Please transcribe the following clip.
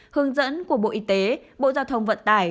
hướng dẫn của bộ y tế bộ giao thông vận tải